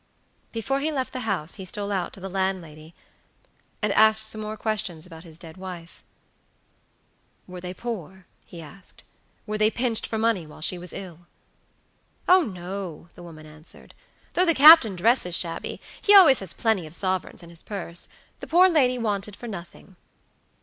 "Before he left the house he stole out to the landlady, and asked some more questions about his dead wife. "Were they poor?" he asked, "were they pinched for money while she was ill?" "Oh, no!" the woman answered; "though the captain dresses shabby, he has always plenty of sovereigns in his purse. The poor lady wanted for nothing."